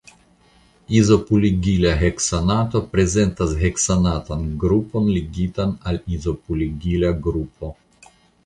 Izopulegila heksanato prezentas heksanatan grupon ligitan al izopulegila grupo.